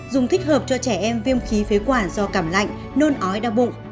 dùng thích hợp cho trẻ em viêm khí phế quản do cảm lạnh nôn ói đau bụng